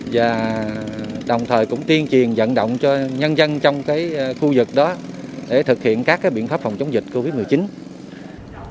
và đồng thời cũng tiên truyền dẫn động cho nhân dân trong khu vực đó để thực hiện các biện pháp phòng chống dịch covid một mươi chín